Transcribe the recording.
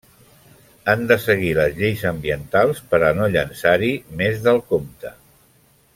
Han de seguir les lleis ambientals per a no llençar-hi més del compte.